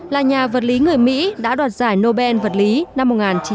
là nhà vật lý người mỹ đã đoạt giải nobel vật lý năm một nghìn chín trăm bảy mươi